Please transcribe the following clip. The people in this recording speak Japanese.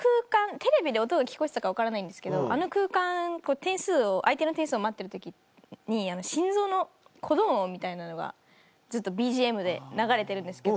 テレビで音が聞こえてたか分からないんですけどあの空間相手の点数を待ってる時に心臓の鼓動音みたいなのがずっとＢＧＭで流れてるんですけど。